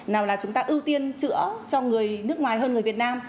nào là chúng ta ưu tiên chữa cho người nước ngoài hơn người việt nam